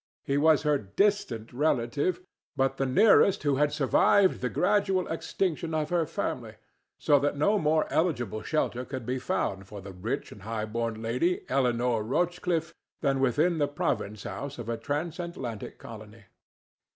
He was her distant relative, but the nearest who had survived the gradual extinction of her family; so that no more eligible shelter could be found for the rich and high born Lady Eleanore Rochcliffe than within the province house of a Transatlantic colony.